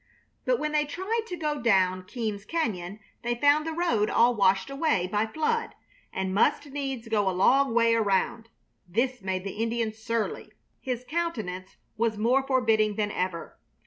But when they tried to go down Keam's Cañon they found the road all washed away by flood, and must needs go a long way around. This made the Indian surly. His countenance was more forbidding than ever.